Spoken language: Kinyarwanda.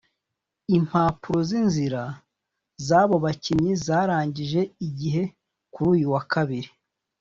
Impapuro z’inzira z’abo bakinnyi zarangije igihe kuri uyu wa Kabiri